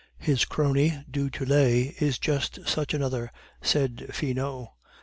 '" "His crony, du Tillet, is just such another," said Finot.